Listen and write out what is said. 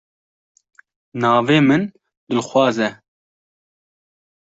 Navê min Dilxwaz e.